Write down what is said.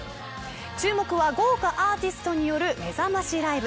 注目は豪華アーティストによるめざましライブ。